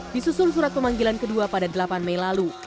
disusul surat pemanggilan kedua pada delapan mei lalu